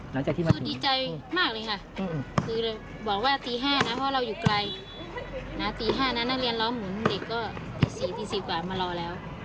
หลังจากที่มากมายก็รู้ดีใจมากเลย